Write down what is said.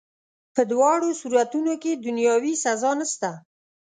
په دواړو صورتونو کي دنیاوي سزا نسته.